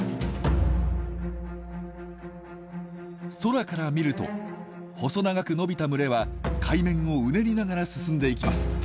空から見ると細長く伸びた群れは海面をうねりながら進んでいきます。